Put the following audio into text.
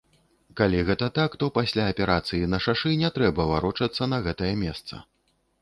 Калі гэта так, то пасля аперацыі на шашы не трэба варочацца на гэтае месца.